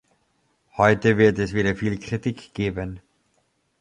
Heute wird es wieder viel Kritik geben.